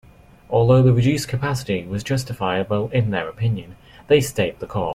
Although the reduced capacity was justifiable in their opinion, they stayed the course.